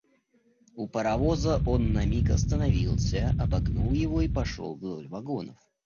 У паровоза он на миг остановился, обогнул его и пошел вдоль вагонов.